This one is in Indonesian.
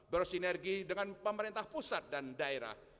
bersinergi dengan pemerintah pusat dan daerah